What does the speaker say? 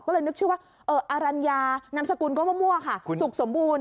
ก็เลยนึกชื่อว่าอรัญญานามสกุลก็มั่วค่ะสุขสมบูรณ